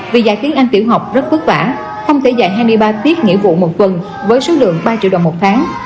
vì dạy khiến anh tiểu học rất vất vả không thể dạy hai mươi ba tiết nghĩa vụ một tuần với số lượng ba triệu đồng một tháng